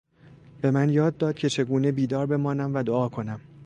به من یاد داد که چگونه بیدار بمانم و دعا کنم.